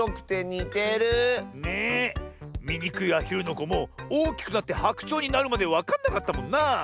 「みにくいアヒルのこ」もおおきくなってハクチョウになるまでわかんなかったもんなあ。